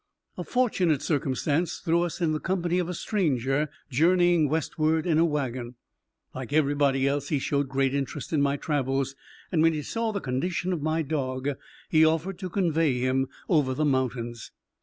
A fortunate circumstance threw us in the company of a stranger journeying westward in a wagon. Like everybody else, he showed great interest in my travels, and when he saw the condition of my dog, he offered to convey him over the mountains.